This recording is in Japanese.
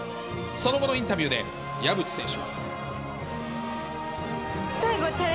その後のインタビューで、岩渕選手は。